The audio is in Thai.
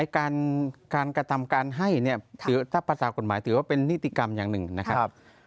การกระทำการให้เนี่ยถ้าภาษากฎหมายถือว่าเป็นนิติกรรมอย่างหนึ่งนะครับ